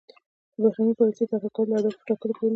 د بهرنۍ پالیسۍ طرح کول د اهدافو په ټاکلو پیلیږي